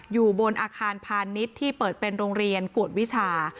อยู่บนอาคารพาณิชย์ที่เปิดเป็นโรงเรียนกวดวิชา